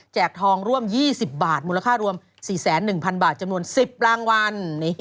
ทองร่วม๒๐บาทมูลค่ารวม๔๑๐๐๐บาทจำนวน๑๐รางวัล